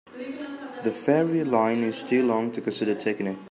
The ferry line is too long to consider taking it.